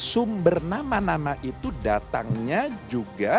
sumber nama nama itu datangnya juga